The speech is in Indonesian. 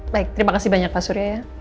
baik terima kasih banyak pak surya ya